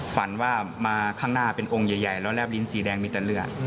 ฝันว่ามาข้างหน้าเป็นองค์ใหญ่แล้วแรบลิ้นสีแดงมีแต่เลือด